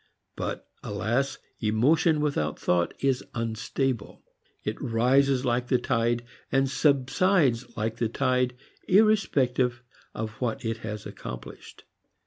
But, alas, emotion without thought is unstable. It rises like the tide and subsides like the tide irrespective of what it has accomplished.